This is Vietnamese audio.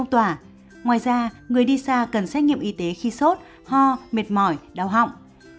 ngoài ra người đi xa cần xét nghiệm y tế khi sốt ho mệt mỏi đau họng